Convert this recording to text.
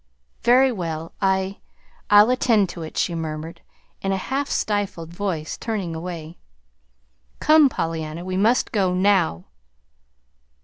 "Very well, I I'll attend to it," she murmured, in a half stifled voice, turning away. "Come, Pollyanna, we must go now."